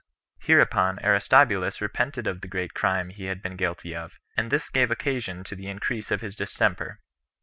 Hereupon Aristobulus repented of the great crime he had been guilty of, and this gave occasion to the increase of his distemper.